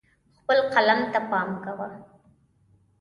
خپل قلم ته پام کوه.